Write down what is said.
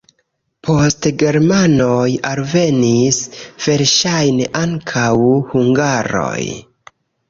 Poste germanoj alvenis, verŝajne ankaŭ hungaroj.